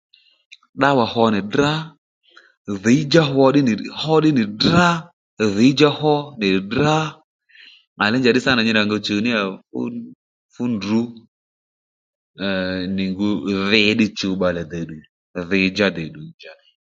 Ddǎwà hwo nì drá dhǐy-djá hwo ddí nì drá dhǐ-djá hwo tdè drá à léy njàddí sâ nà nyi rà ngu chùw níyà fú ndrǔ nì ngu dhi ddí chǔw bbalè dèddù dhi-dja dèddù